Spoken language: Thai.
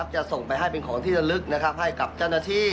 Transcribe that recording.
จะส่งไปให้เป็นของที่ระลึกให้กับเจ้าหน้าที่